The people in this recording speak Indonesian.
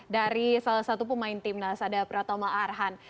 dari salah satu pemain timnas ada pratama arhan